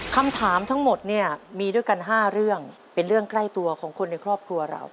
คำถามทั้งหมดเนี่ยมีด้วยกัน๕เรื่องเป็นเรื่องใกล้ตัวของคนในครอบครัวเรา